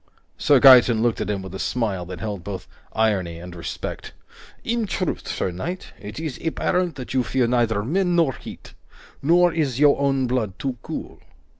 Sir Gaeton looked at him with a smile that held both irony and respect. "In truth, sir knight, it is apparent that you fear neither men nor heat. Nor is your own blood too cool.